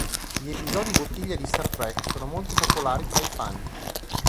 Gli episodi bottiglia di "Star Trek" sono molto popolari tra i fan.